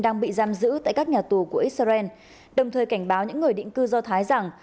đang bị giam giữ tại các nhà tù của israel đồng thời cảnh báo những người định cư do thái rằng